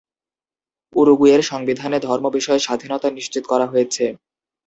উরুগুয়ের সংবিধানে ধর্ম বিষয়ে স্বাধীনতা নিশ্চিত করা হয়েছে।